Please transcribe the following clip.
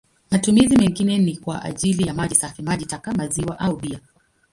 Matumizi mengine ni kwa ajili ya maji safi, maji taka, maziwa au bia.